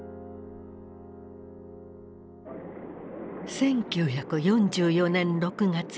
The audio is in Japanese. １９４４年６月。